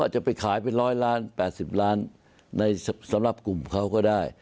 หรือนั้นสำหรับกลุ่มเขาก็ได้